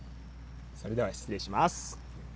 それでは失礼します。